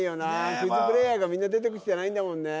クイズプレーヤーがみんな出てきてないんだもんね